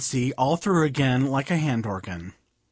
all through again, like a hand organ.